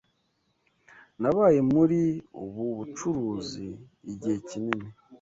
Nabaye muri ubu bucuruzi igihe kinini.